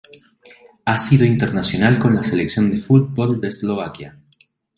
Ha sido internacional con la selección de fútbol de Eslovaquia.